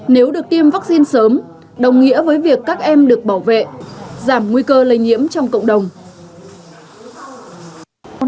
nếu được tiêm vaccine sớm đồng nghĩa với việc các em được bảo vệ giảm nguy cơ lây nhiễm trong cộng đồng